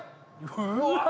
うわ。